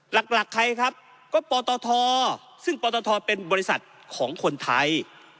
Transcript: หลักใครครับก็ปตทซึ่งปตทเป็นบริษัทของคนไทย